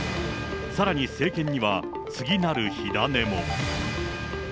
さらに政権には、次なる火種も。